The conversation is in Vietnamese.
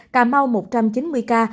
cà mau một trăm chín mươi ca